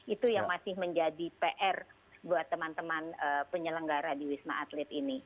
itu yang masih menjadi pr buat teman teman penyelenggara di wisma atlet ini